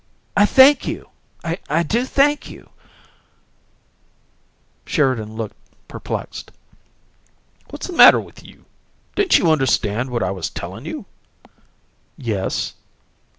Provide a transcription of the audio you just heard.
I thank you I do thank you " Sheridan looked perplexed. "What's the matter with you? Didn't you understand what I was tellin' you?" "Yes."